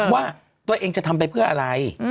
ว่าตัวเองจะทำไปเพื่ออะไร